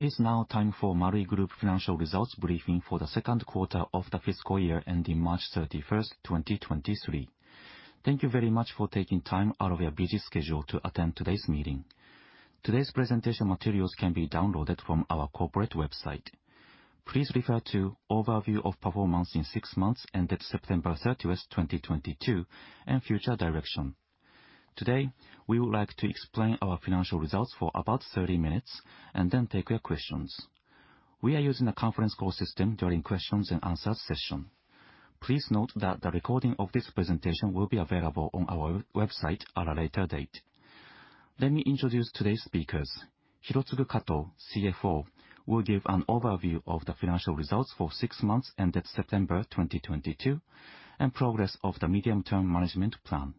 It is now time for Marui Group financial results briefing for the Second Quarter of the Fiscal Year Ending March 31st, 2023. Thank you very much for taking time out of your busy schedule to attend today's meeting. Today's presentation materials can be downloaded from our corporate website. Please refer to overview of performance in six months ended September 30th, 2022, and future direction. Today, we would like to explain our financial results for about 30 minutes and then take your questions. We are using a conference call system during questions and answers session. Please note that the recording of this presentation will be available on our website at a later date. Let me introduce today's speakers. Hirotsugu Kato, CFO, will give an overview of the financial results for six months ended September 2022, and progress of the medium-term management plan.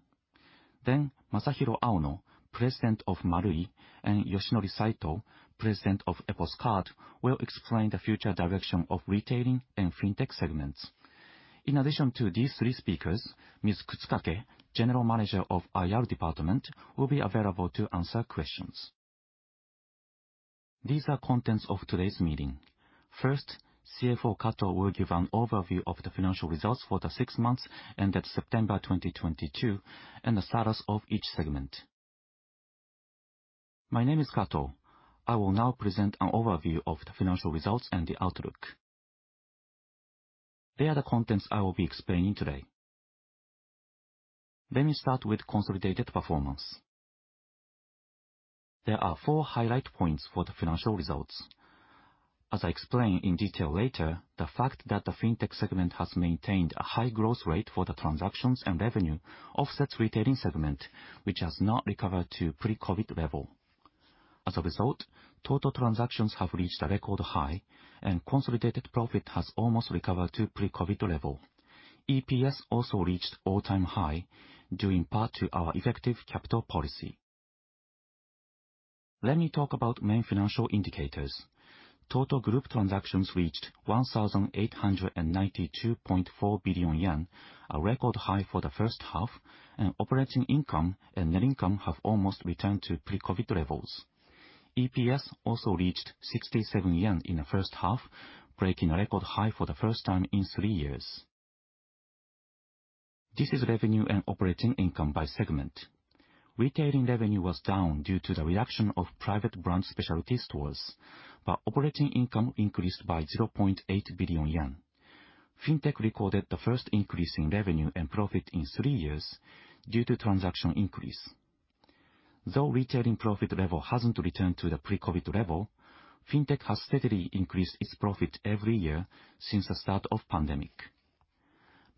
Masahiro Aono, President of Marui, and Yoshinori Saito, President of EPOS Card, will explain the future direction of retailing and Fintech segments. In addition to these three speakers, Ms. Kutsukake, General Manager of IR Department, will be available to answer questions. These are contents of today's meeting. First, CFO Kato will give an overview of the financial results for the six months ended September 2022 and the status of each segment. My name is Kato. I will now present an overview of the financial results and the outlook. They are the contents I will be explaining today. Let me start with consolidated performance. There are four highlight points for the financial results. As I explain in detail later, the fact that the Fintech segment has maintained a high growth rate for the transactions and revenue offsets retailing segment, which has not recovered to pre-COVID level. As a result, total transactions have reached a record high and consolidated profit has almost recovered to pre-COVID-19 level. EPS also reached all-time high due in part to our effective capital policy. Let me talk about main financial indicators. Total group transactions reached 1,892.4 billion yen, a record high for the first half, and operating income and net income have almost returned to pre-COVID-19 levels. EPS also reached 67 yen in the first half, breaking a record high for the first time in three years. This is revenue and operating income by segment. Retailing revenue was down due to the reduction of private brand specialty stores, but operating income increased by 0.8 billion yen. Fintech recorded the first increase in revenue and profit in three years due to transaction increase. Though retailing profit level hasn't returned to the pre-COVID-19 level, Fintech has steadily increased its profit every year since the start of pandemic.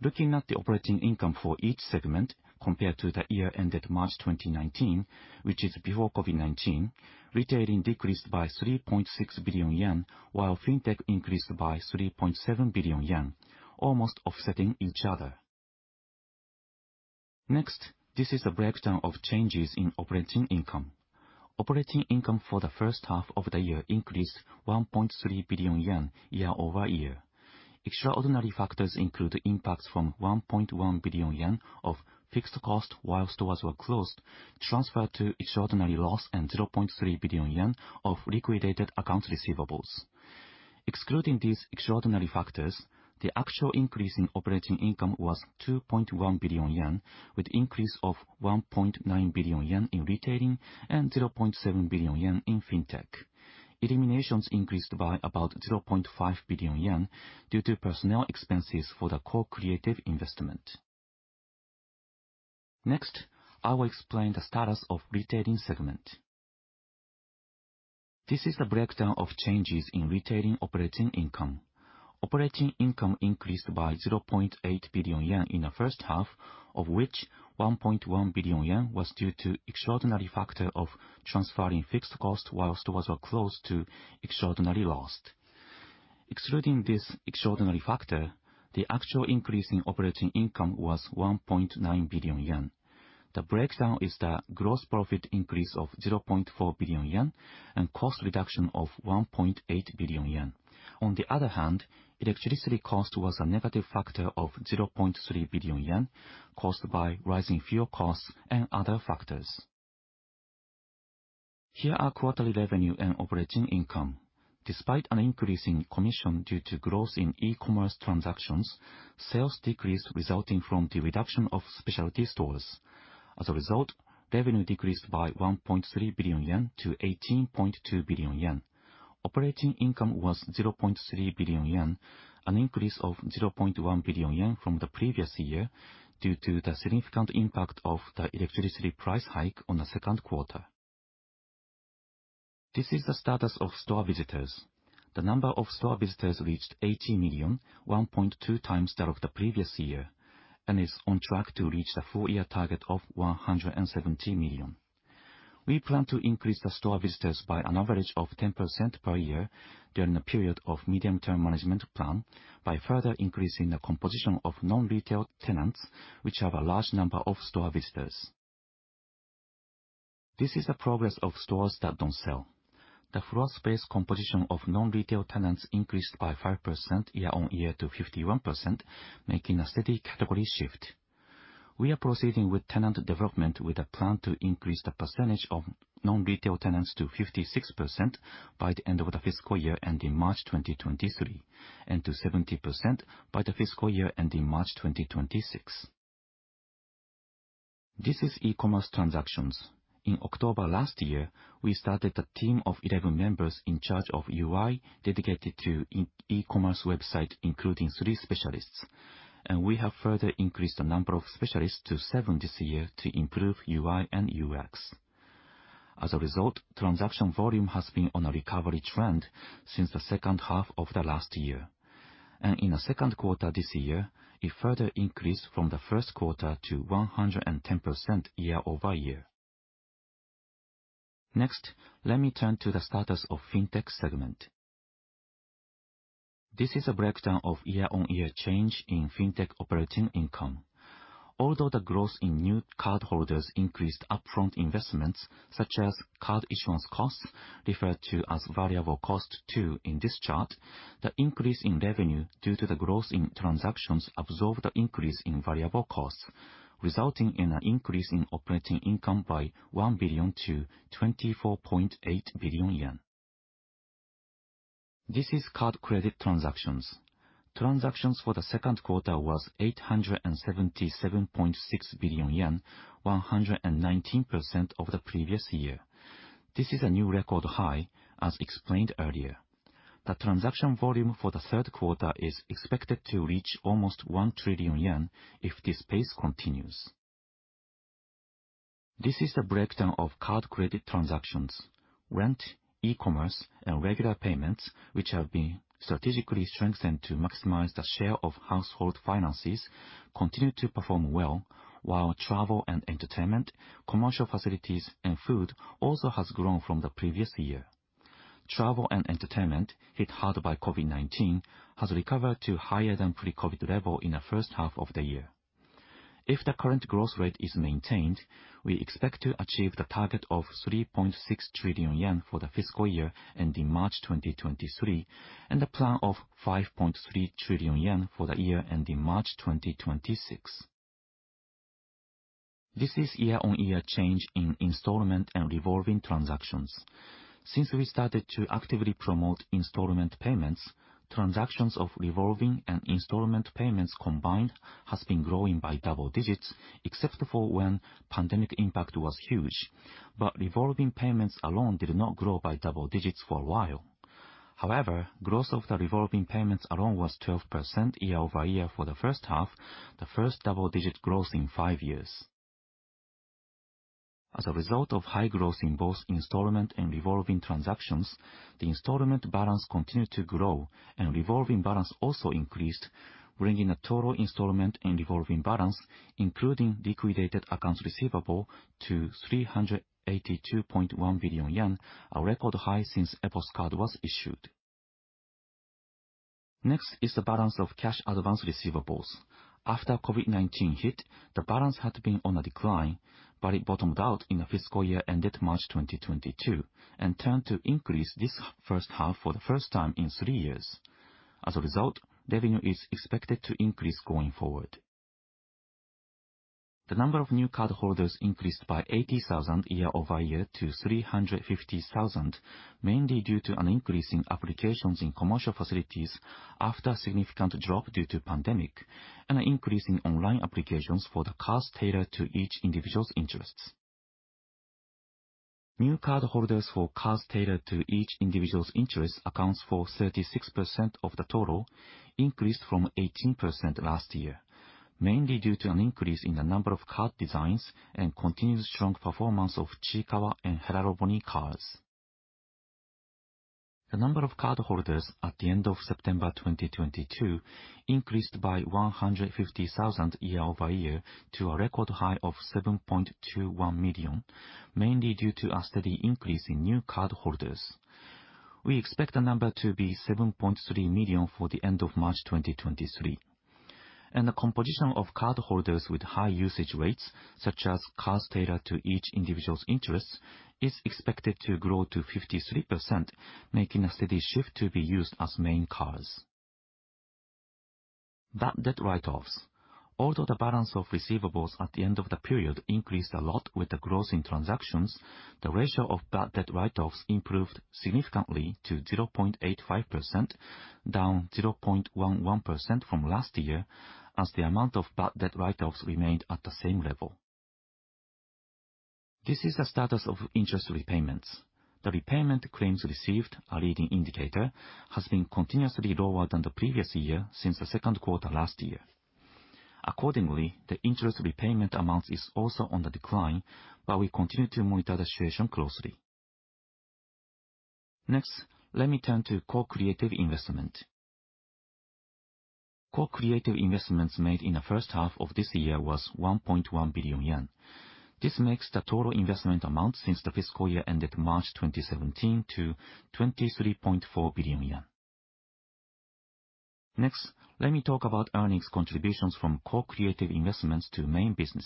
Looking at the operating income for each segment compared to the year ended March 2019, which is before COVID-19, retailing decreased by 3.6 billion yen, while Fintech increased by 3.7 billion yen, almost offsetting each other. Next, this is a breakdown of changes in operating income. Operating income for the first half of the year increased 1.3 billion yen year-over-year. Extraordinary factors include impacts from 1.1 billion yen of fixed cost while stores were closed, transferred to extraordinary loss, and 0.3 billion yen of liquidated account receivables. Excluding these extraordinary factors, the actual increase in operating income was 2.1 billion yen, with increase of 1.9 billion yen in retailing and 0.7 billion yen in Fintech. Eliminations increased by about 0.5 billion yen due to personnel expenses for the co-creative investment. Next, I will explain the status of retailing segment. This is a breakdown of changes in retailing operating income. Operating income increased by 0.8 billion yen in the first half, of which 1.1 billion yen was due to extraordinary factor of transferring fixed cost while stores were closed to extraordinary loss. Excluding this extraordinary factor, the actual increase in operating income was 1.9 billion yen. The breakdown is the gross profit increase of 0.4 billion yen and cost reduction of 1.8 billion yen. On the other hand, electricity cost was a negative factor of 0.3 billion yen caused by rising fuel costs and other factors. Here are quarterly revenue and operating income. Despite an increase in commission due to growth in e-commerce transactions, sales decreased resulting from the reduction of specialty stores. As a result, revenue decreased by 1.3 billion yen to 18.2 billion yen. Operating income was 0.3 billion yen, an increase of 0.1 billion yen from the previous year due to the significant impact of the electricity price hike on the second quarter. This is the status of store visitors. The number of store visitors reached 80 million, 1.2 times that of the previous year, and is on track to reach the full-year target of 170 million. We plan to increase the store visitors by an average of 10% per year during the period of medium-term management plan by further increasing the composition of non-retail tenants, which have a large number of store visitors. This is the progress of store space that doesn't sell. The floor space composition of non-retail tenants increased by 5% year-on-year to 51%, making a steady category shift. We are proceeding with tenant development with a plan to increase the percentage of non-retail tenants to 56% by the end of the fiscal year ending March 2023, and to 70% by the fiscal year ending March 2026. This is e-commerce transactions. In October last year, we started a team of 11 members in charge of UI dedicated to e-commerce website, including 3 specialists, and we have further increased the number of specialists to seven this year to improve UI and UX. As a result, transaction volume has been on a recovery trend since the second half of the last year, and in the second quarter this year, it further increased from the first quarter to 110% year-over-year. Next, let me turn to the status of Fintech segment. This is a breakdown of year-on-year change in Fintech operating income. Although the growth in new cardholders increased upfront investments such as card issuance costs, referred to as variable cost two in this chart, the increase in revenue due to the growth in transactions absorbed the increase in variable costs, resulting in an increase in operating income by 1 billion to 24.8 billion yen. This is card credit transactions. Transactions for the second quarter was 877.6 billion yen, 119% of the previous year. This is a new record high, as explained earlier. The transaction volume for the third quarter is expected to reach almost 1 trillion yen if this pace continues. This is the breakdown of card credit transactions. Rent, e-commerce, and regular payments, which have been strategically strengthened to maximize the share of household finances, continue to perform well, while travel and entertainment, commercial facilities and food also has grown from the previous year. Travel and entertainment, hit hard by COVID-19, has recovered to higher than pre-COVID level in the first half of the year. If the current growth rate is maintained, we expect to achieve the target of 3.6 trillion yen for the fiscal year ending March 2023, and the plan of 5.3 trillion yen for the year ending March 2026. This is year-on-year change in installment and revolving transactions. Since we started to actively promote installment payments, transactions of revolving and installment payments combined has been growing by double digits, except for when pandemic impact was huge. Revolving payments alone did not grow by double digits for a while. However, growth of the revolving payments alone was 12% year-over-year for the first half, the first double-digit growth in five years. As a result of high growth in both installment and revolving transactions, the installment balance continued to grow and revolving balance also increased, bringing the total installment and revolving balance, including liquidated accounts receivable to 382.1 billion yen, a record high since EPOS Card was issued. Next is the balance of cash advance receivables. After COVID-19 hit, the balance had been on a decline, but it bottomed out in the fiscal year ended March 2022 and turned to increase this first half for the first time in three years. As a result, revenue is expected to increase going forward. The number of new cardholders increased by 80,000 year-over-year to 350,000, mainly due to an increase in applications in commercial facilities after a significant drop due to pandemic and an increase in online applications for the cards tailored to each individual's interests. New cardholders for cards tailored to each individual's interests accounts for 36% of the total, increased from 18% last year, mainly due to an increase in the number of card designs and continued strong performance of Chiikawa and Harajuku Lovers cards. The number of cardholders at the end of September 2022 increased by 150,000 year-over-year to a record high of 7.21 million, mainly due to a steady increase in new cardholders. We expect the number to be 7.3 million for the end of March 2023. The composition of cardholders with high usage rates, such as cards tailored to each individual's interests, is expected to grow to 53%, making a steady shift to be used as main cards. Bad debt write-offs. Although the balance of receivables at the end of the period increased a lot with the growth in transactions, the ratio of bad debt write-offs improved significantly to 0.85%, down 0.11% from last year, as the amount of bad debt write-offs remained at the same level. This is the status of interest repayments. The repayment claims received, a leading indicator, has been continuously lower than the previous year since the second quarter last year. Accordingly, the interest repayment amount is also on the decline, but we continue to monitor the situation closely. Next, let me turn to co-creative investment. Co-creative investments made in the first half of this year was 1.1 billion yen. This makes the total investment amount since the fiscal year ended March 2017 to 23.4 billion yen. Next, let me talk about earnings contributions from co-creative investments to main business.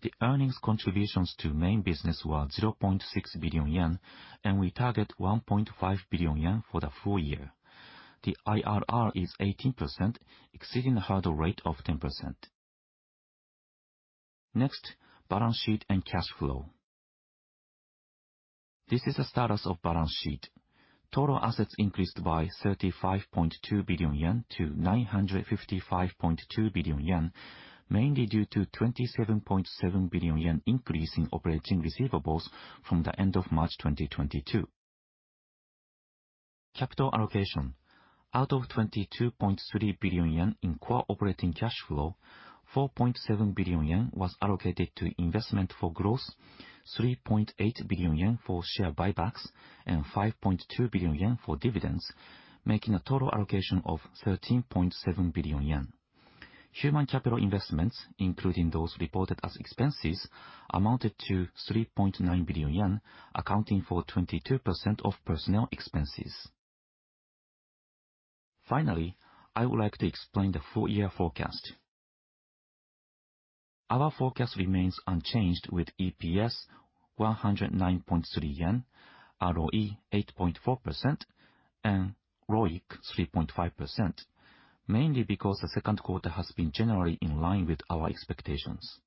The earnings contributions to main business were 0.6 billion yen, and we target 1.5 billion yen for the full year. The IRR is 18%, exceeding the hurdle rate of 10%. Next, balance sheet and cash flow. This is the status of balance sheet. Total assets increased by 35.2 billion yen to 955.2 billion yen, mainly due to 27.7 billion yen increase in operating receivables from the end of March 2022. Capital allocation. Out of 22.3 billion yen in core operating cash flow, 4.7 billion yen was allocated to investment for growth, 3.8 billion yen for share buybacks, and 5.2 billion yen for dividends, making a total allocation of 13.7 billion yen. Human capital investments, including those reported as expenses, amounted to 3.9 billion yen, accounting for 22% of personnel expenses. Finally, I would like to explain the full year forecast. Our forecast remains unchanged with EPS 109.3 yen, ROE 8.4%, and ROIC 3.5%, mainly because the second quarter has been generally in line with our expectations.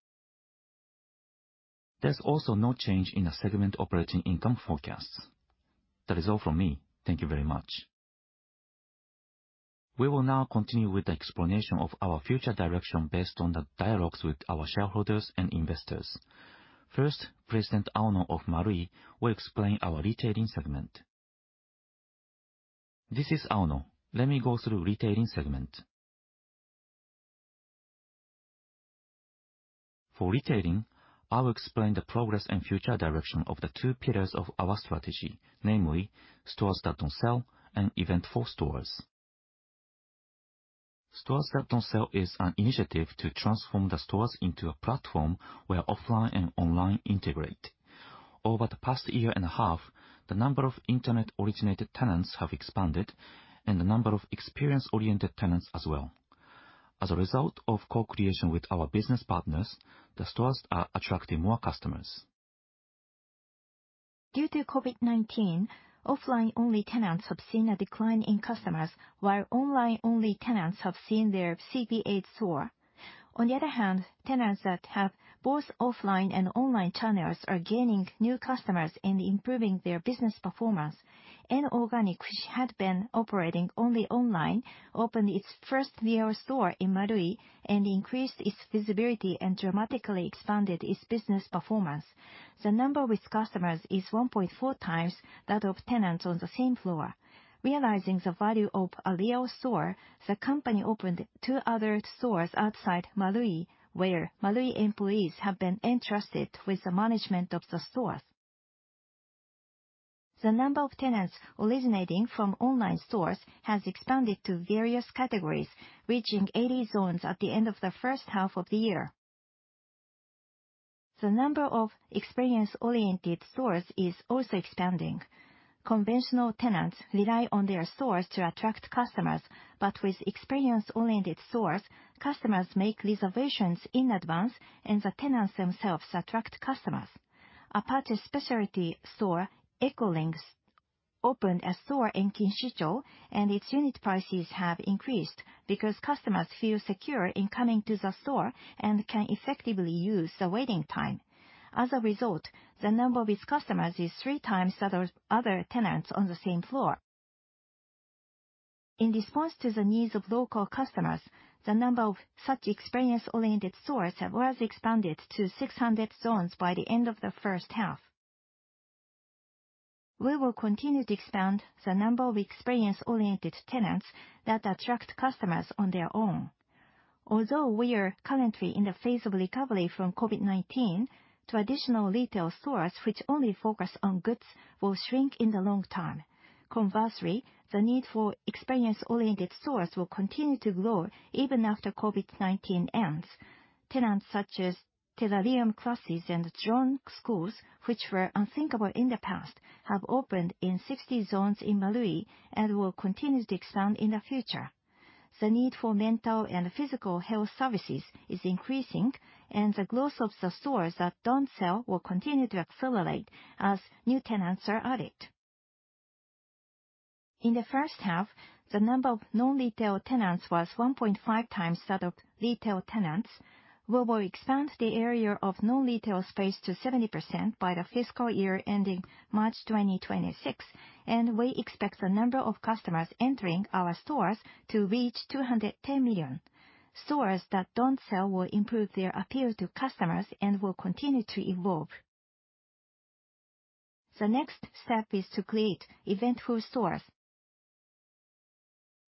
There's also no change in the segment operating income forecasts. That is all from me. Thank you very much. We will now continue with the explanation of our future direction based on the dialogues with our shareholders and investors. First, President Aono of Marui Co, Ltd will explain our retailing segment. This is Aono. Let me go through retailing segment. For retailing, I will explain the progress and future direction of the two pillars of our strategy, namely stores that don't sell and eventful stores. Stores that don't sell is an initiative to transform the stores into a platform where offline and online integrate. Over the past year and a half, the number of internet-originated tenants have expanded and the number of experience-oriented tenants as well. As a result of co-creation with our business partners, the stores are attracting more customers. Due to COVID-19, offline-only tenants have seen a decline in customers, while online-only tenants have seen their CPA soar. On the other hand, tenants that have both offline and online channels are gaining new customers and improving their business performance. Inorganic, which had been operating only online, opened its first real store in Marui and increased its visibility and dramatically expanded its business performance. The number of its customers is 1.4 times that of tenants on the same floor. Realizing the value of a real store, the company opened two other stores outside Marui, where Marui employees have been entrusted with the management of the stores. The number of tenants originating from online stores has expanded to various categories, reaching 80 zones at the end of the first half of the year. The number of experience-oriented stores is also expanding. Conventional tenants rely on their stores to attract customers, but with experience-oriented stores, customers make reservations in advance and the tenants themselves attract customers. A purchase specialty store, Ecolinks, opened a store in Kinshicho, and its unit prices have increased because customers feel secure in coming to the store and can effectively use the waiting time. As a result, the number of its customers is three times that of other tenants on the same floor. In response to the needs of local customers, the number of such experience-oriented stores was expanded to 600 zones by the end of the first half. We will continue to expand the number of experience-oriented tenants that attract customers on their own. Although we are currently in the phase of recovery from COVID-19, traditional retail stores which only focus on goods will shrink in the long term. Conversely, the need for experience-oriented stores will continue to grow even after COVID-19 ends. Tenants such as Thorium Classes and drone schools, which were unthinkable in the past, have opened in 60 zones in Marui and will continue to expand in the future. The need for mental and physical health services is increasing and the growth of the stores that don't sell will continue to accelerate as new tenants are added. In the first half, the number of non-retail tenants was 1.5 times that of retail tenants. We will expand the area of non-retail space to 70% by the fiscal year ending March 2026, and we expect the number of customers entering our stores to reach 210 million. Stores that don't sell will improve their appeal to customers and will continue to evolve. The next step is to create eventful stores.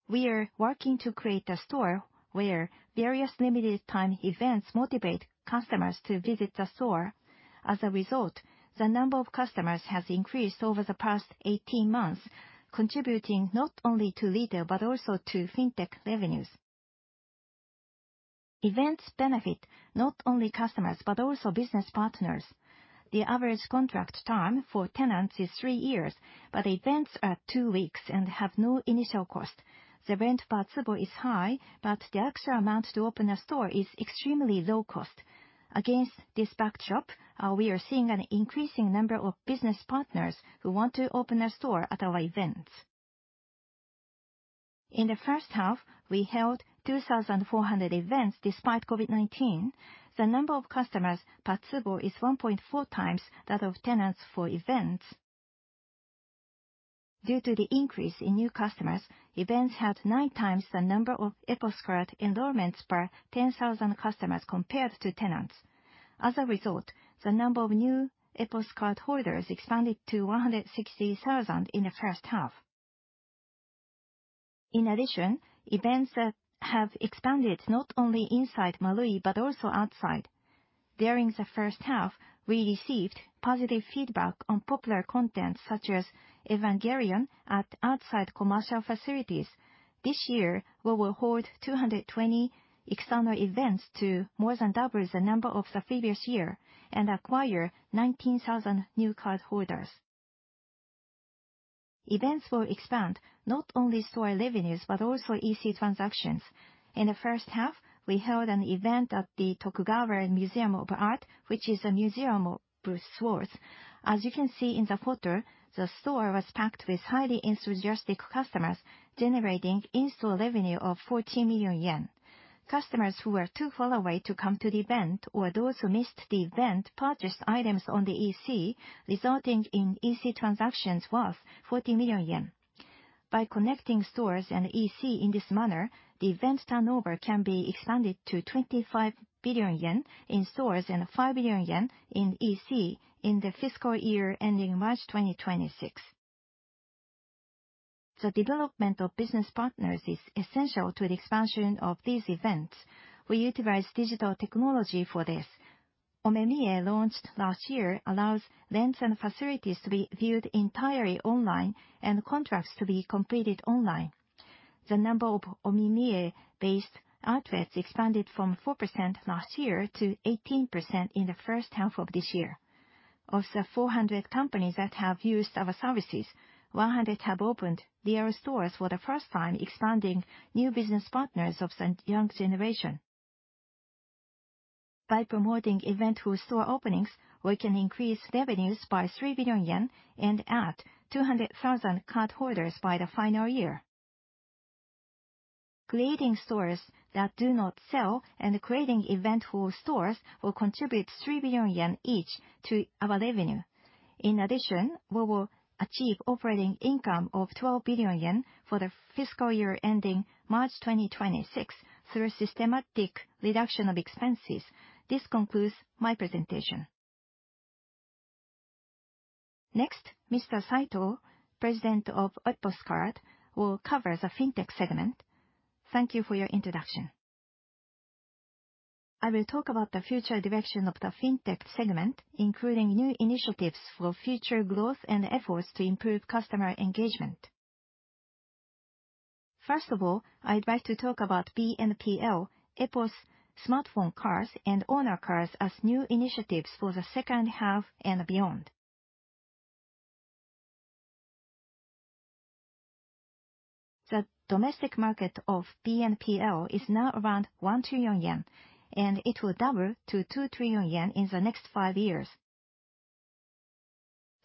We are working to create a store where various limited time events motivate customers to visit the store. As a result, the number of customers has increased over the past 18 months, contributing not only to retail, but also to fintech revenues. Events benefit not only customers, but also business partners. The average contract time for tenants is three years, but events are two weeks and have no initial cost. The rent per tsubo is high, but the actual amount to open a store is extremely low cost. Against this backdrop, we are seeing an increasing number of business partners who want to open a store at our events. In the first half, we held 2,400 events despite COVID-19. The number of customers per tsubo is 1.4 times that of tenants for events. Due to the increase in new customers, events had 9 times the number of EPOS card enrollments per 10,000 customers compared to tenants. As a result, the number of new EPOS cardholders expanded to 160,000 in the first half. In addition, events that have expanded not only inside Marui, but also outside. During the first half, we received positive feedback on popular content such as Evangelion at outside commercial facilities. This year, we will hold 220 external events to more than double the number of the previous year and acquire 19,000 new cardholders. Events will expand not only store revenues, but also EC transactions. In the first half, we held an event at The Japanese Sword Museum, which is a museum of swords. As you can see in the photo, the store was packed with highly enthusiastic customers, generating in-store revenue of 40 million yen. Customers who were too far away to come to the event or those who missed the event purchased items on the EC, resulting in EC transactions worth 40 million yen. By connecting stores and EC in this manner, the event turnover can be expanded to 25 billion yen in stores and 5 billion yen in EC in the fiscal year ending March 2026. The development of business partners is essential to the expansion of these events. We utilize digital technology for this. OMEMIE, launched last year, allows lands and facilities to be viewed entirely online and contracts to be completed online. The number of OMEMIE-based outlets expanded from 4% last year to 18% in the first half of this year. Of the 400 companies that have used our services, 100 have opened their stores for the first time, expanding new business partners of the young generation. By promoting eventful store openings, we can increase revenues by 3 billion yen and add 200,000 cardholders by the final year. Creating stores that do not sell and creating eventful stores will contribute 3 billion yen each to our revenue. In addition, we will achieve operating income of 12 billion yen for the fiscal year ending March 2026 through a systematic reduction of expenses. This concludes my presentation. Next, Mr. Saito, President of EPOS Card, will cover the fintech segment. Thank you for your introduction. I will talk about the future direction of the fintech segment, including new initiatives for future growth and efforts to improve customer engagement. First of all, I'd like to talk about BNPL, EPOS Smartphone Cards, and Owner Cards as new initiatives for the second half and beyond. The domestic market of BNPL is now around 1 trillion yen, and it will double to 2 trillion yen in the next 5 years.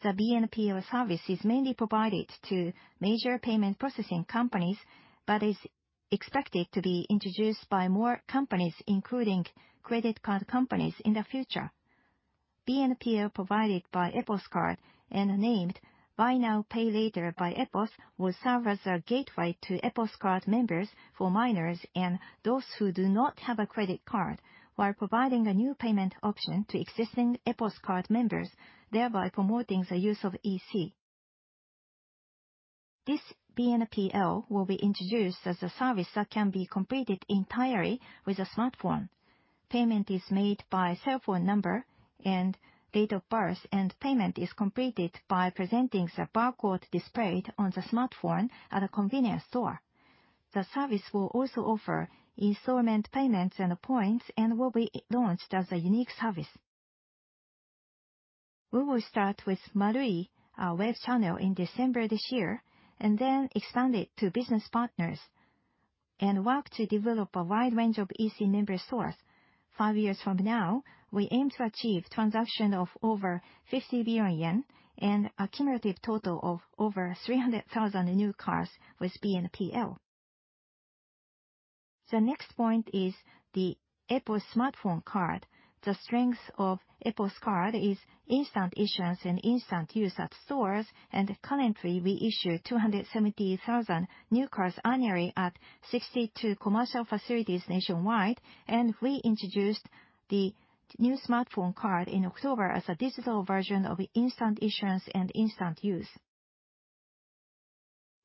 The BNPL service is mainly provided to major payment processing companies, but is expected to be introduced by more companies, including credit card companies in the future. BNPL, provided by EPOS Card and named BNPL by EPOS, will serve as a gateway to EPOS Card members for minors and those who do not have a credit card while providing a new payment option to existing EPOS Card members, thereby promoting the use of EC. This BNPL will be introduced as a service that can be completed entirely with a smartphone. Payment is made by cell phone number and date of birth, and payment is completed by presenting the barcode displayed on the smartphone at a convenience store. The service will also offer installment payments and points, and will be launched as a unique service. We will start with Marui, our web channel, in December this year, and then extend it to business partners and work to develop a wide range of EC member stores. 5 years from now, we aim to achieve transaction of over 50 billion yen and a cumulative total of over 300,000 new cards with BNPL. The next point is the EPOS Smartphone Card. The strength of EPOS Card is instant issuance and instant use at stores, and currently, we issue 270,000 new cards annually at 62 commercial facilities nationwide, and we introduced the new smartphone card in October as a digital version of instant issuance and instant use.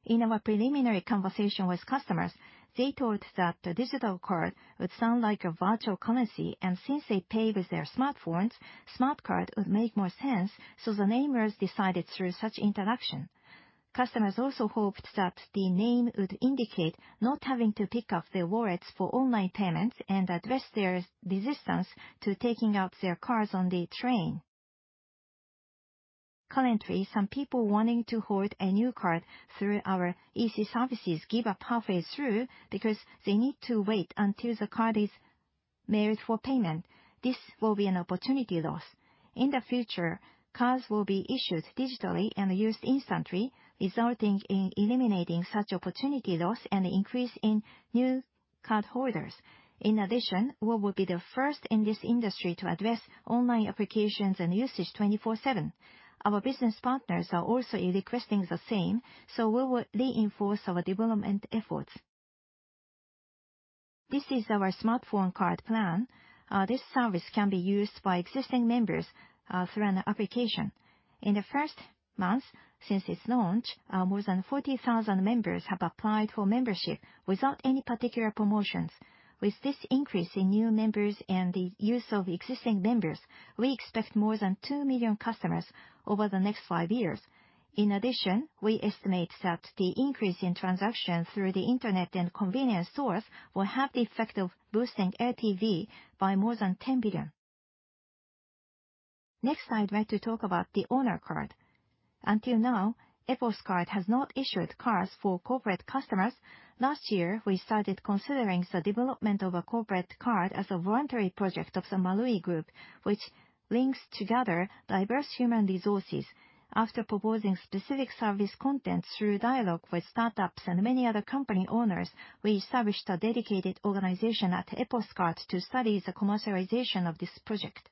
In our preliminary conversation with customers, they told that the digital card would sound like a virtual currency, and since they pay with their smartphones, smartphone card would make more sense, so the name was decided through such interaction. Customers also hoped that the name would indicate not having to pick up their wallets for online payments and address their resistance to taking out their cards on the train. Currently, some people wanting to hold a new card through our easy services give up halfway through because they need to wait until the card is made for payment. This will be an opportunity loss. In the future, cards will be issued digitally and used instantly, resulting in eliminating such opportunity loss and increase in new cardholders. In addition, we will be the first in this industry to address online applications and usage 24/7. Our business partners are also requesting the same, so we will reinforce our development efforts. This is our smartphone card plan. This service can be used by existing members through an application. In the first month since its launch, more than 40,000 members have applied for membership without any particular promotions. With this increase in new members and the use of existing members, we expect more than 2 million customers over the next five years. In addition, we estimate that the increase in transactions through the internet and convenience stores will have the effect of boosting LTV by more than 10 billion. Next, I'd like to talk about the Owner Card. Until now, EPOS Card has not issued cards for corporate customers. Last year, we started considering the development of a corporate card as a voluntary project of the Marui Group, which links together diverse human resources. After proposing specific service content through dialogue with startups and many other company owners, we established a dedicated organization at EPOS Card to study the commercialization of this project.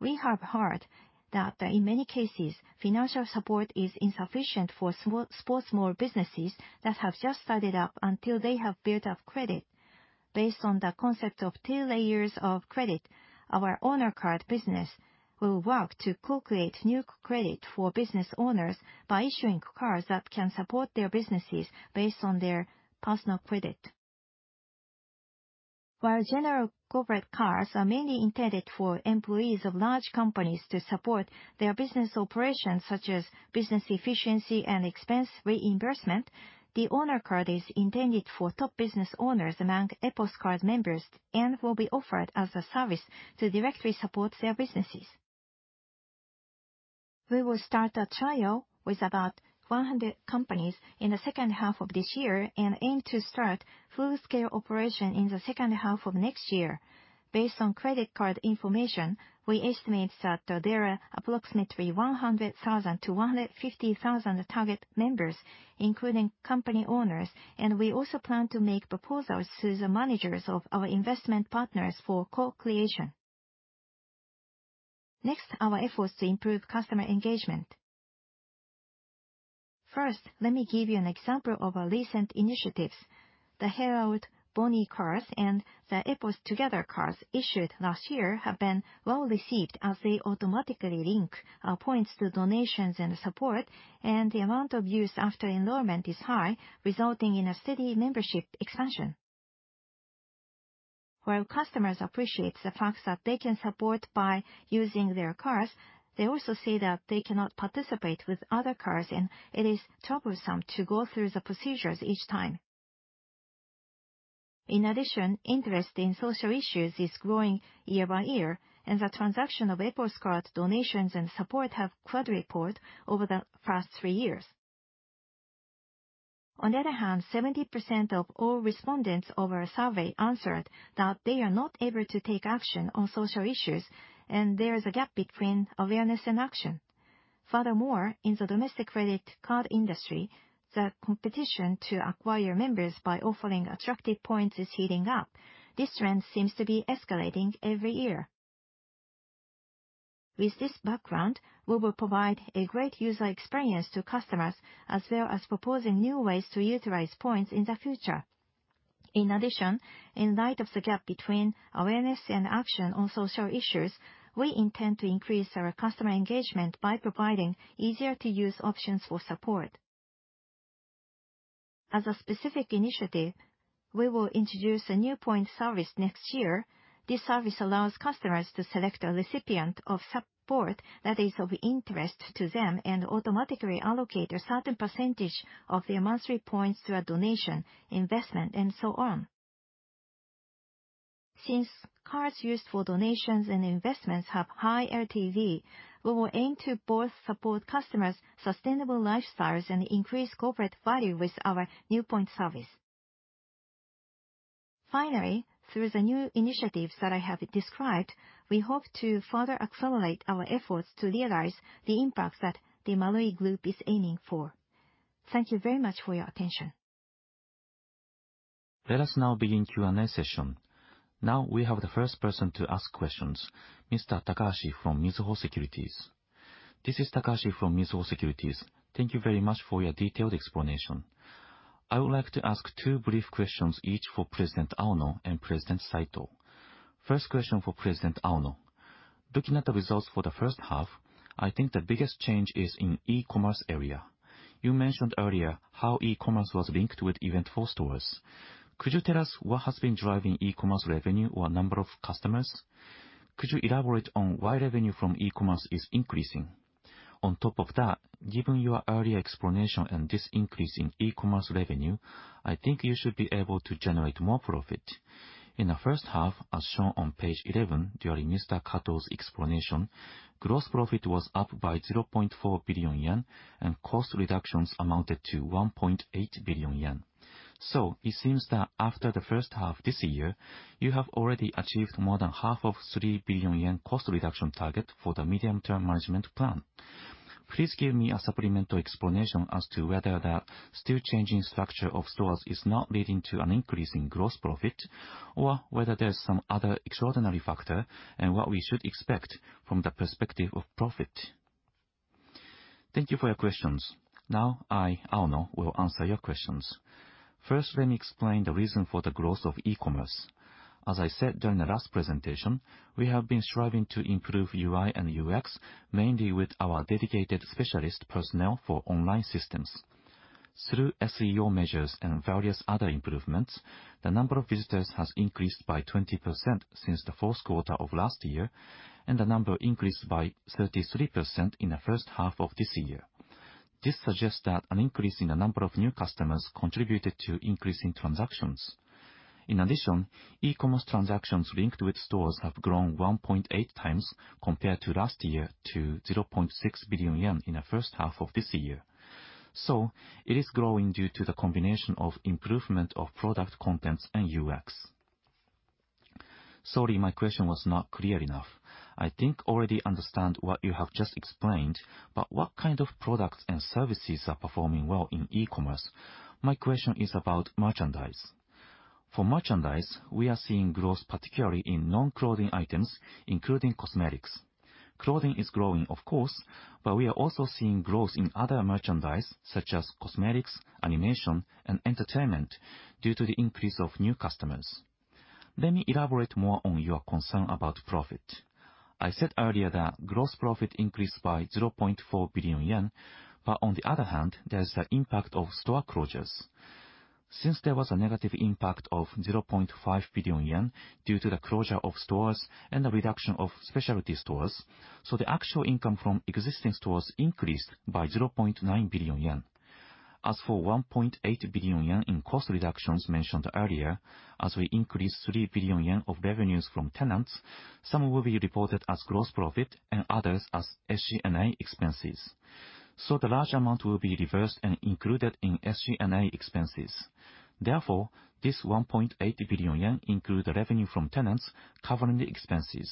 We have heard that in many cases financial support is insufficient for small to small businesses that have just started up until they have built up credit. Based on the concept of two layers of credit, our Owner Card business will work to co-create new credit for business owners by issuing cards that can support their businesses based on their personal credit. While general corporate cards are mainly intended for employees of large companies to support their business operations, such as business efficiency and expense reimbursement, the Owner Card is intended for top business owners among EPOS Card members and will be offered as a service to directly support their businesses. We will start a trial with about 100 companies in the second half of this year and aim to start full-scale operation in the second half of next year. Based on credit card information, we estimate that there are approximately 100,000 to 150,000 target members, including company owners, and we also plan to make proposals to the managers of our investment partners for co-creation. Next, our efforts to improve customer engagement. First, let me give you an example of our recent initiatives. The HERALBONY cards and the EPOS TOGETHER cards issued last year have been well received as they automatically link points to donations and support, and the amount of use after enrollment is high, resulting in a steady membership expansion. While customers appreciate the fact that they can support by using their cards, they also say that they cannot participate with other cards, and it is troublesome to go through the procedures each time. In addition, interest in social issues is growing year by year, and the transaction of EPOS Card donations and support have quadrupled over the first three years. On the other hand, 70% of all respondents of our survey answered that they are not able to take action on social issues, and there is a gap between awareness and action. Furthermore, in the domestic credit card industry, the competition to acquire members by offering attractive points is heating up. This trend seems to be escalating every year. With this background, we will provide a great user experience to customers, as well as proposing new ways to utilize points in the future. In addition, in light of the gap between awareness and action on social issues, we intend to increase our customer engagement by providing easier-to-use options for support. As a specific initiative, we will introduce a new point service next year. This service allows customers to select a recipient of support that is of interest to them and automatically allocate a certain percentage of their monthly points through a donation, investment, and so on. Since cards used for donations and investments have high LTV, we will aim to both support customers' sustainable lifestyles and increase corporate value with our new point service. Finally, through the new initiatives that I have described, we hope to further accelerate our efforts to realize the impact that the Marui Group is aiming for. Thank you very much for your attention. Let us now begin Q&A session. Now we have the first person to ask questions, Mr. Takahashi from Mizuho Securities. This is Takahashi from Mizuho Securities. Thank you very much for your detailed explanation. I would like to ask two brief questions, each for President Aono and President Saito. First question for President Aono. Looking at the results for the first half, I think the biggest change is in e-commerce area. You mentioned earlier how e-commerce was linked with Eventful Stores. Could you tell us what has been driving e-commerce revenue or number of customers? Could you elaborate on why revenue from e-commerce is increasing? On top of that, given your earlier explanation and this increase in e-commerce revenue, I think you should be able to generate more profit. In the first half, as shown on page 11 during Mr. Kato's explanation, gross profit was up by 0.4 billion yen and cost reductions amounted to 1.8 billion yen. It seems that after the first half this year, you have already achieved more than half of 3 billion yen cost reduction target for the medium-term management plan. Please give me a supplemental explanation as to whether the still-changing structure of stores is not leading to an increase in gross profit, or whether there's some other extraordinary factor and what we should expect from the perspective of profit. Thank you for your questions. Now I, Aono, will answer your questions. First, let me explain the reason for the growth of e-commerce. As I said during the last presentation, we have been striving to improve UI and UX, mainly with our dedicated specialist personnel for online systems. Through SEO measures and various other improvements, the number of visitors has increased by 20% since the fourth quarter of last year, and the number increased by 33% in the first half of this year. This suggests that an increase in the number of new customers contributed to increasing transactions. In addition, e-commerce transactions linked with stores have grown 1.8 times compared to last year to 0.6 billion yen in the first half of this year. It is growing due to the combination of improvement of product contents and UX. Sorry, my question was not clear enough. I think already understand what you have just explained, but what kind of products and services are performing well in e-commerce? My question is about merchandise. For merchandise, we are seeing growth, particularly in non-clothing items, including cosmetics. Clothing is growing, of course, but we are also seeing growth in other merchandise such as cosmetics, animation, and entertainment due to the increase of new customers. Let me elaborate more on your concern about profit. I said earlier that gross profit increased by 0.4 billion yen, but on the other hand, there's the impact of store closures. Since there was a negative impact of 0.5 billion yen due to the closure of stores and the reduction of specialty stores, so the actual income from existing stores increased by 0.9 billion yen. As for 1.8 billion yen in cost reductions mentioned earlier, as we increase 3 billion yen of revenues from tenants, some will be reported as gross profit and others as SG&A expenses. The large amount will be reversed and included in SG&A expenses. Therefore, this 1.8 billion yen includes the revenue from tenants covering the expenses.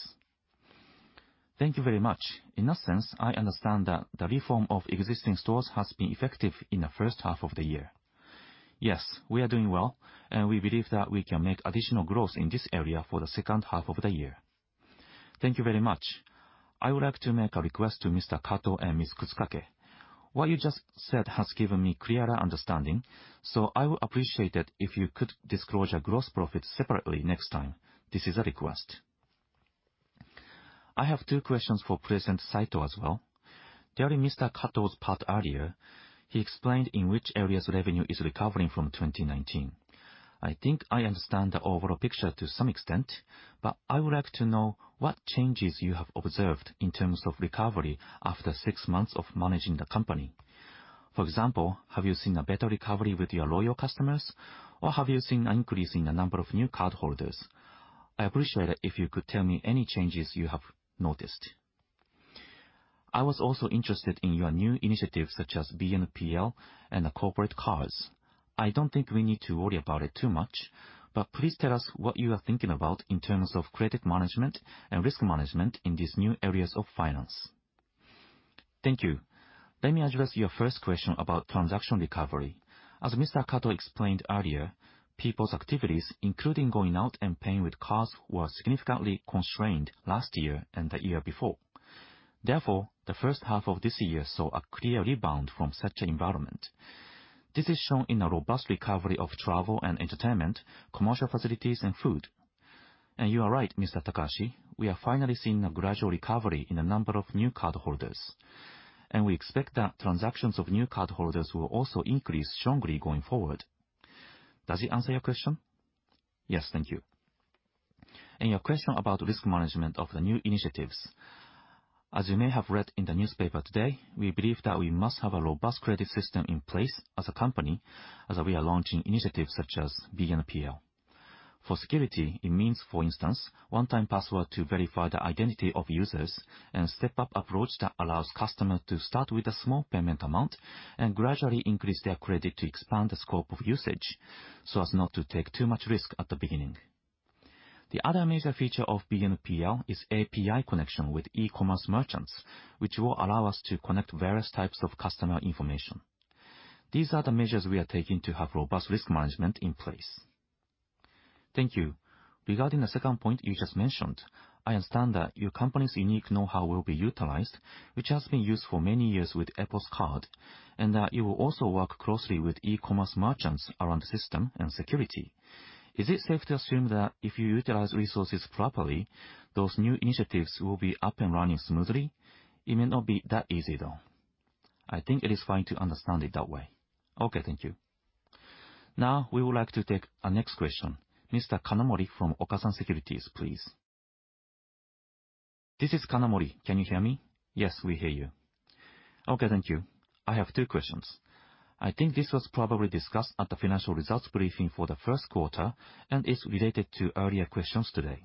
Thank you very much. In that sense, I understand that the reform of existing stores has been effective in the first half of the year. Yes, we are doing well, and we believe that we can make additional growth in this area for the second half of the year. Thank you very much. I would like to make a request to Mr. Kato and Ms. Kutsukake. What you just said has given me clearer understanding, so I would appreciate it if you could disclose your gross profit separately next time. This is a request. I have two questions for President Saito as well. During Mr. Kato's part earlier, he explained in which areas revenue is recovering from 2019. I think I understand the overall picture to some extent, but I would like to know what changes you have observed in terms of recovery after six months of managing the company. For example, have you seen a better recovery with your loyal customers, or have you seen an increase in the number of new cardholders? I appreciate it if you could tell me any changes you have noticed. I was also interested in your new initiatives such as BNPL and the corporate cards. I don't think we need to worry about it too much, but please tell us what you are thinking about in terms of credit management and risk management in these new areas of finance. Thank you. Let me address your first question about transaction recovery. As Mr. Kato explained earlier, people's activities, including going out and paying with cards, were significantly constrained last year and the year before. Therefore, the first half of this year saw a clear rebound from such an environment. This is shown in the robust recovery of travel and entertainment, commercial facilities and food. You are right, Mr. Takahashi, we are finally seeing a gradual recovery in the number of new cardholders, and we expect that transactions of new cardholders will also increase strongly going forward. Does it answer your question? Yes, thank you. Your question about risk management of the new initiatives. As you may have read in the newspaper today, we believe that we must have a robust credit system in place as a company, as we are launching initiatives such as BNPL. For security, it means, for instance, one-time password to verify the identity of users and step-up approach that allows customers to start with a small payment amount and gradually increase their credit to expand the scope of usage, so as not to take too much risk at the beginning. The other major feature of BNPL is API connection with e-commerce merchants, which will allow us to connect various types of customer information. These are the measures we are taking to have robust risk management in place. Thank you. Regarding the second point you just mentioned, I understand that your company's unique know-how will be utilized, which has been used for many years with EPOS Card, and that you will also work closely with e-commerce merchants around the system and security. Is it safe to assume that if you utilize resources properly, those new initiatives will be up and running smoothly? It may not be that easy, though. I think it is fine to understand it that way. Okay, thank you. Now, we would like to take our next question. Mr. Kanamori from Okasan Securities, please. This is Kanamori. Can you hear me? Yes, we hear you. Okay, thank you. I have two questions. I think this was probably discussed at the financial results briefing for the first quarter, and it's related to earlier questions today.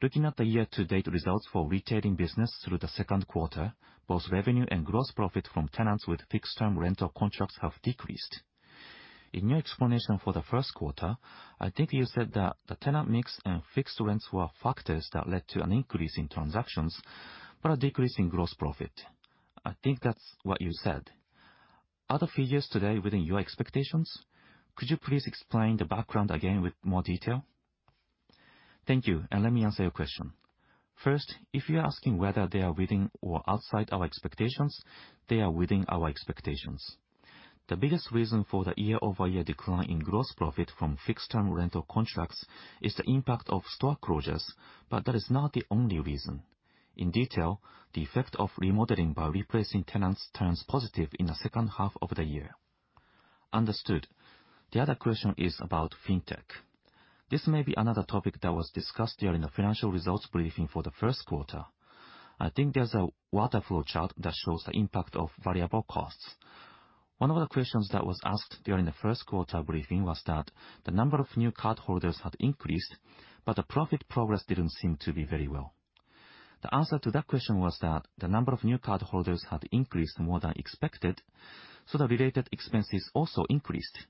Looking at the year-to-date results for retailing business through the second quarter, both revenue and gross profit from tenants with fixed term rental contracts have decreased. In your explanation for the first quarter, I think you said that the tenant mix and fixed rents were factors that led to an increase in transactions but a decrease in gross profit. I think that's what you said. Are the figures today within your expectations? Could you please explain the background again with more detail? Thank you, and let me answer your question. First, if you are asking whether they are within or outside our expectations, they are within our expectations. The biggest reason for the year-over-year decline in gross profit from fixed term rental contracts is the impact of store closures, but that is not the only reason. In detail, the effect of remodeling by replacing tenants turns positive in the second half of the year. Understood. The other question is about fintech. This may be another topic that was discussed during the financial results briefing for the first quarter. I think there's a waterfall chart that shows the impact of variable costs. One of the questions that was asked during the first quarter briefing was that the number of new cardholders had increased, but the profit progress didn't seem to be very well. The answer to that question was that the number of new cardholders had increased more than expected, so the related expenses also increased.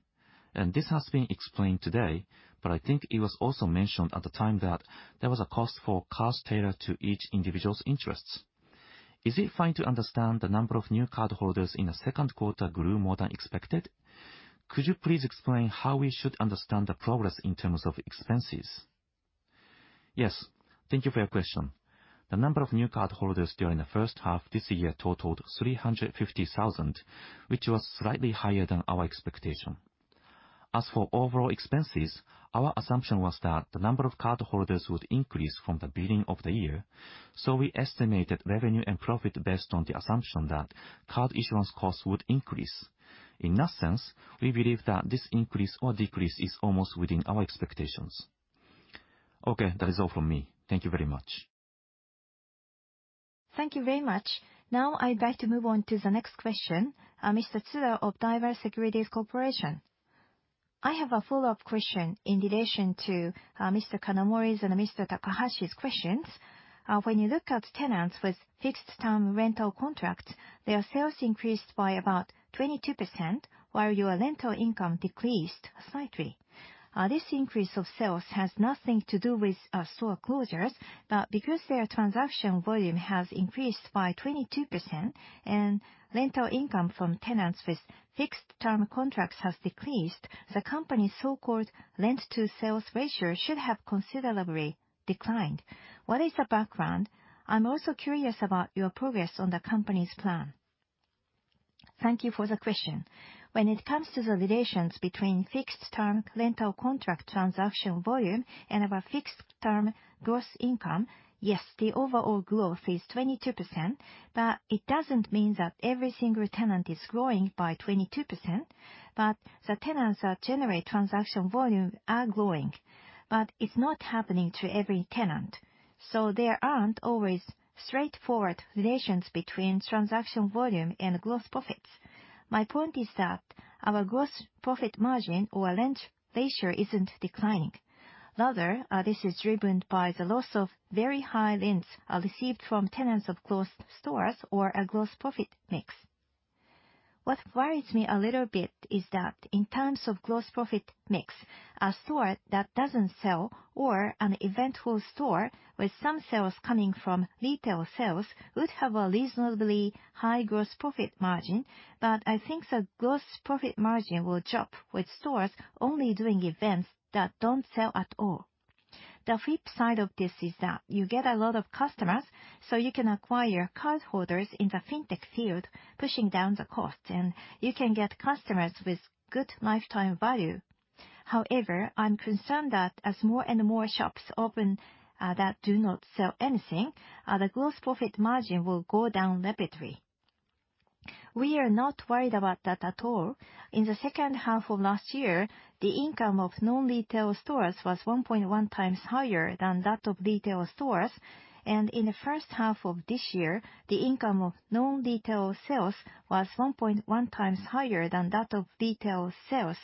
This has been explained today, but I think it was also mentioned at the time that there was a cost for cards tailored to each individual's interests. Is it fine to understand the number of new cardholders in the second quarter grew more than expected? Could you please explain how we should understand the progress in terms of expenses? Yes. Thank you for your question. The number of new cardholders during the first half this year totaled 350,000, which was slightly higher than our expectation. As for overall expenses, our assumption was that the number of cardholders would increase from the beginning of the year, so we estimated revenue and profit based on the assumption that card issuance costs would increase. In that sense, we believe that this increase or decrease is almost within our expectations. Okay. That is all from me. Thank you very much. Thank you very much. Now I'd like to move on to the next question. Mr. Tsujino of Daiwa Securities Co Ltd. I have a follow-up question in relation to Mr. Kanamori's and Mr. Takahashi's questions. When you look at tenants with fixed term rental contracts, their sales increased by about 22% while your rental income decreased slightly. This increase of sales has nothing to do with store closures, but because their transaction volume has increased by 22% and rental income from tenants with fixed term contracts has decreased, the company's so-called rent-to-sales ratio should have considerably declined. What is the background? I'm also curious about your progress on the company's plan. Thank you for the question. When it comes to the relations between fixed term rental contract transaction volume and our fixed term gross income, yes, the overall growth is 22%, but it doesn't mean that every single tenant is growing by 22%. The tenants that generate transaction volume are growing, but it's not happening to every tenant. There aren't always straightforward relations between transaction volume and gross profits. My point is that our gross profit margin or rent ratio isn't declining. Rather, this is driven by the loss of very high rents, received from tenants of closed stores or a gross profit mix. What worries me a little bit is that in terms of gross profit mix, a store that doesn't sell or an eventful store with some sales coming from retail sales would have a reasonably high gross profit margin. I think the gross profit margin will drop with stores only doing events that don't sell at all. The flip side of this is that you get a lot of customers, so you can acquire cardholders in the fintech field, pushing down the cost, and you can get customers with good lifetime value. However, I'm concerned that as more and more shops open, that do not sell anything, the gross profit margin will go down rapidly. We are not worried about that at all. In the second half of last year, the income of non-retail stores was 1.1 times higher than that of retail stores. In the first half of this year, the income of non-retail sales was 1.1 times higher than that of retail sales.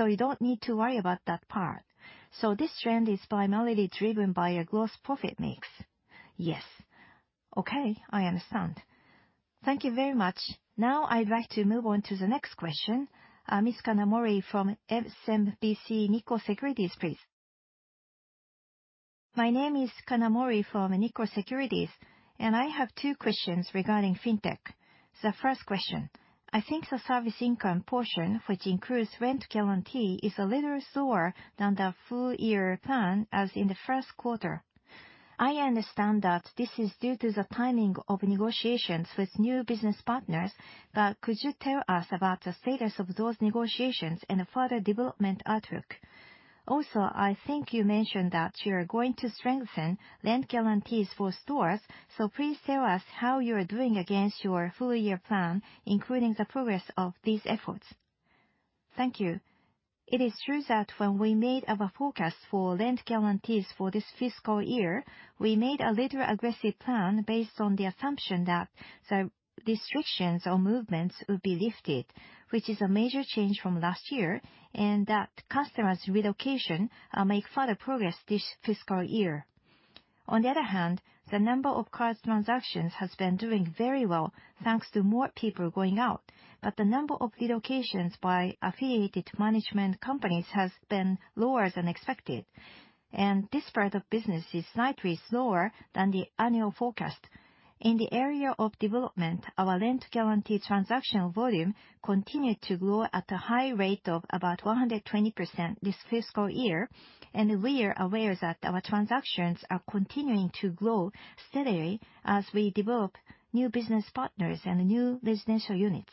You don't need to worry about that part. This trend is primarily driven by a gross profit mix. Yes. Okay, I understand. Thank you very much. Now I'd like to move on to the next question. Ms. Kanamori from SMBC Nikko Securities, please. My name is Kanamori from Nikko Securities, and I have two questions regarding fintech. The first question: I think the service income portion, which includes rent guarantee, is a little lower than the full year plan as in the first quarter. I understand that this is due to the timing of negotiations with new business partners, but could you tell us about the status of those negotiations and the further development outlook? Also, I think you mentioned that you're going to strengthen rent guarantees for stores, so please tell us how you're doing against your full year plan, including the progress of these efforts. Thank you. It is true that when we made our forecast for rent guarantees for this fiscal year, we made a little aggressive plan based on the assumption that the restrictions or movements would be lifted, which is a major change from last year, and that customers relocation make further progress this fiscal year. On the other hand, the number of cards transactions has been doing very well thanks to more people going out, but the number of relocations by affiliated management companies has been lower than expected, and this part of business is slightly slower than the annual forecast. In the area of development, our rent guarantee transaction volume continued to grow at a high rate of about 120% this fiscal year, and we are aware that our transactions are continuing to grow steadily as we develop new business partners and new residential units.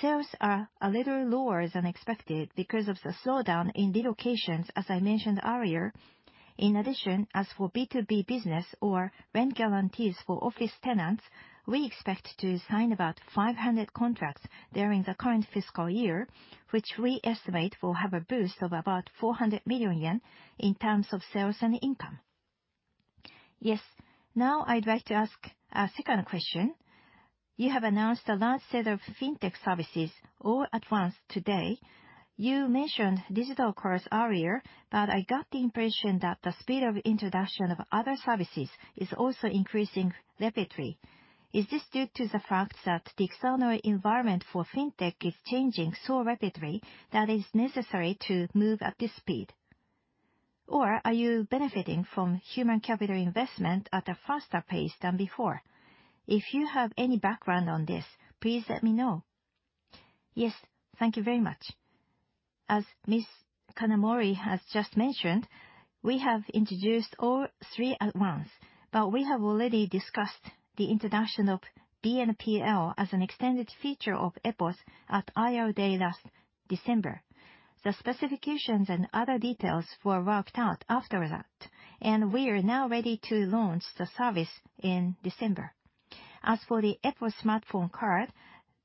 Sales are a little lower than expected because of the slowdown in relocations, as I mentioned earlier. In addition, as for B2B business or rent guarantees for office tenants, we expect to sign about 500 contracts during the current fiscal year, which we estimate will have a boost of about 400 million yen in terms of sales and income. Yes. Now I'd like to ask a second question. You have announced a large set of fintech services all at once today. You mentioned digital cards earlier, but I got the impression that the speed of introduction of other services is also increasing rapidly. Is this due to the fact that the external environment for fintech is changing so rapidly that it's necessary to move at this speed? Or are you benefiting from human capital investment at a faster pace than before? If you have any background on this, please let me know. Yes, thank you very much. As Ms. Kanamori has just mentioned, we have introduced all three at once, but we have already discussed the introduction of BNPL as an extended feature of EPOS at IR day last December. The specifications and other details were worked out after that, and we are now ready to launch the service in December. As for the EPOS smartphone card,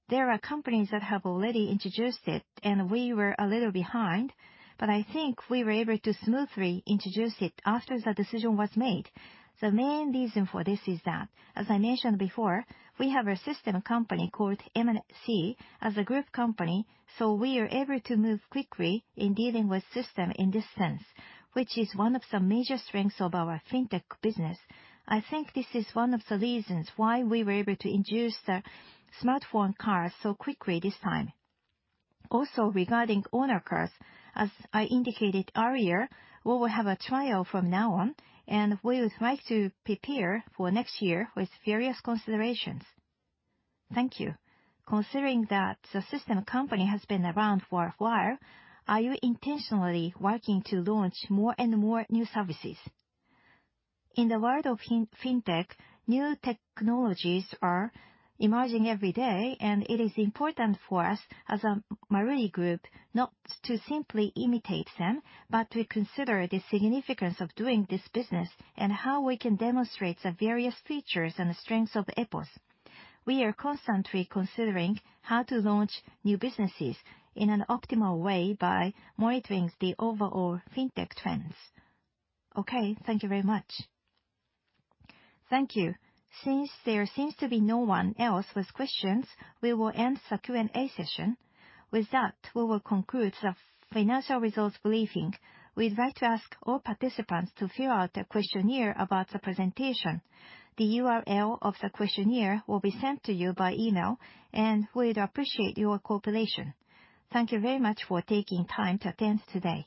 there are companies that have already introduced it, and we were a little behind, but I think we were able to smoothly introduce it after the decision was made. The main reason for this is that, as I mentioned before, we have a system company called M&C as a group company, so we are able to move quickly in dealing with system in this sense, which is one of the major strengths of our fintech business. I think this is one of the reasons why we were able to introduce the smartphone card so quickly this time. Also regarding owner cards, as I indicated earlier, we will have a trial from now on, and we would like to prepare for next year with various considerations. Thank you. Considering that the system company has been around for a while, are you intentionally working to launch more and more new services? In the world of fintech, new technologies are emerging every day, and it is important for us as Marui Group not to simply imitate them, but to consider the significance of doing this business and how we can demonstrate the various features and the strengths of EPOS. We are constantly considering how to launch new businesses in an optimal way by monitoring the overall fintech trends. Okay, thank you very much. Thank you. Since there seems to be no one else with questions, we will end the Q&A session. With that, we will conclude the financial results briefing. We'd like to ask all participants to fill out a questionnaire about the presentation. The URL of the questionnaire will be sent to you by email, and we'd appreciate your cooperation. Thank you very much for taking time to attend today.